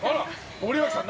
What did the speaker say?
森脇さん